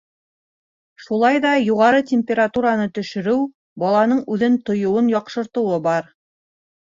Шулай ҙа юғары температураны төшөрөү баланың үҙен тойоуын яҡшыртыуы бар.